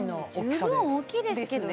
十分大きいですけどね